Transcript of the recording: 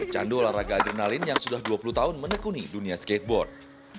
kondisi tersebut yang menjadi salah satu perhatian bagi avandi